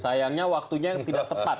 sayangnya waktunya tidak tepat